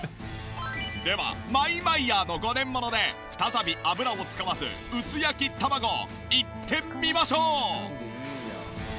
ではマイマイヤーの５年もので再び油を使わず薄焼き卵いってみましょう！